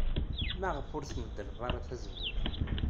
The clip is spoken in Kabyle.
Maɣef ur tmeddled ara tazewwut?